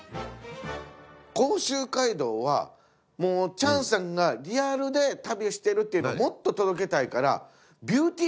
「甲州街道はもうチャンさんがリアルで旅してるっていうのをもっと届けたいから」。